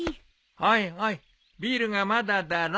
おいおいビールがまだだろ。